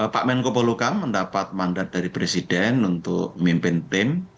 pak menko polukam mendapat mandat dari presiden untuk mimpin tim